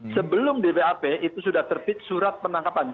sebelum b b a p itu sudah terbit surat penangkapan